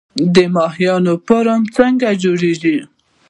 د ماهیانو فارم څنګه جوړ کړم؟